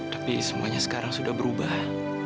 tapi semuanya sekarang sudah berubah